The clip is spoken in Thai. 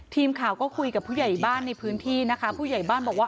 ทีมข่าวก็คุยกับผู้ใหญ่บ้านในพื้นที่นะคะผู้ใหญ่บ้านบอกว่า